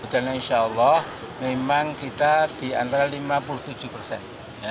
dan insya allah memang kita di antara lima puluh tujuh persen